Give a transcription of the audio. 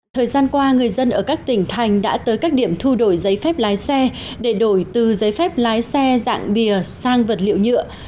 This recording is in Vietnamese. thời gian qua người dân ở các tỉnh thành đã tới các điểm thu đổi giấy phép lái xe để đổi từ giấy phép lái xe dạng bìa sang vật liệu nhựa